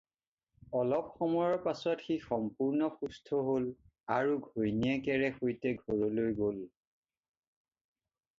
অলপ সময়ৰ পাচত সি সম্পূৰ্ণ সুস্থ হ'ল আৰু ঘৈণীয়েকেৰে সৈতে ঘৰলৈ গ'ল।